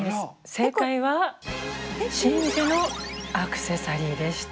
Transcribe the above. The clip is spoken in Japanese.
正解は真珠のアクセサリーでした。